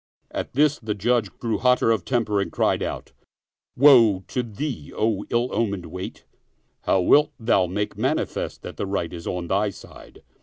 At this the Judge grew hotter of temper and cried out, " Woe to thee, O ill omened wight I How wilt thou make manifest that the right is on thy side?"